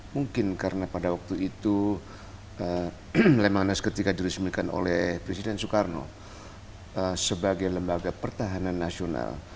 mungkin karena pada waktu itu lemhanas ketika diresmikan oleh presiden soekarno sebagai lembaga pertahanan nasional